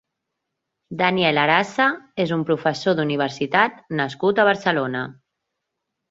Daniel Arasa és un professor d'universitat nascut a Barcelona.